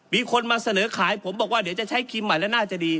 มีคนมาเสนอขายผมบอกว่าเดี๋ยวจะใช้ครีมใหม่แล้วน่าจะดี